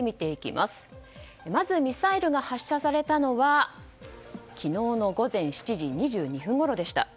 まずミサイルが発射されたのは昨日の午前７時２２分ごろでした。